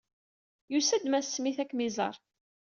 Yusa-d Mass Smith ad kem-iẓeṛ.